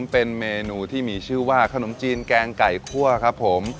เป็นเมนูที่มีชื่อว่าขนมจีนแกงไก่คั่วครับผม